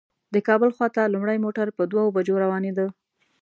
د کابل خواته لومړی موټر په دوو بجو روانېده.